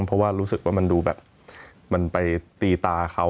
เพราะรู้สึกว่ามันได้ดูแบบหรือที่ว่ามันไปตีตาเค้า